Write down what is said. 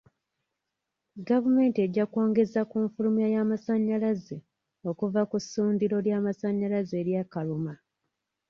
Gvaumenti ejja kwongeza ku nfulumya y'amasanyalaze okuva ku ssundiro ly'amasanyalaze ery'eKaruma.